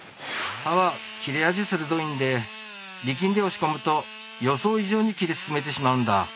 刃は切れ味鋭いんで力んで押し込むと予想以上に切り進めてしまうんだ。